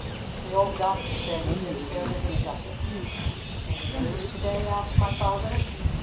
The Old Doctor said he didn't care to discuss it. "Any news to day?" asked my Father.